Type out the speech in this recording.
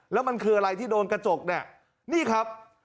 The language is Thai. แล้วมันคืออะไรที่โดนกระจกเนี่ยนี่ครับ